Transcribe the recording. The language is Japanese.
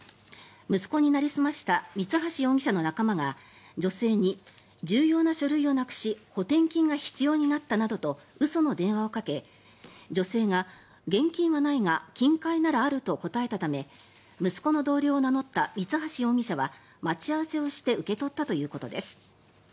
息子になりすました三橋容疑者の仲間が女性に、重要な書類をなくし補てん金が必要になったなどと嘘の電話をかけ女性が、現金はないが金塊ならあると答えたため息子の同僚を名乗った三橋容疑者は待ち合わせをして受け取ったということです。